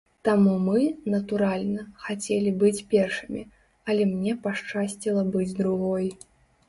Таму мы, натуральна, хацелі быць першымі, але мне пашчасціла быць другой.